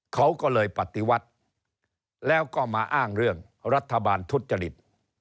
เขาก็เลยปฏิวัติแล้วก็มาอ้างเรื่องรัฐบาลทุจริต